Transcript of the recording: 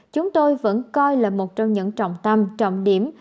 chúng tôi vẫn coi là một trong những trọng tâm trọng điểm